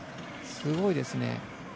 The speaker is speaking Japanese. すごいですね。